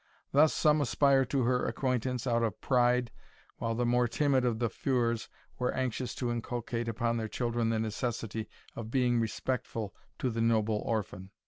Thus some aspired to her acquaintance out of pride while the more timid of the feuars were anxious to inculcate upon their children the necessity of being respectful to the noble orphan.